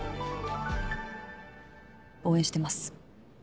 応援してます。